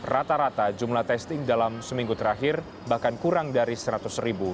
rata rata jumlah testing dalam seminggu terakhir bahkan kurang dari seratus ribu